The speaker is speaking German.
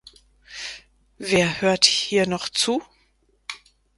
Wer hört hier noch zu?